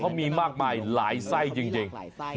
เขามีมากมายหลายไส้จริง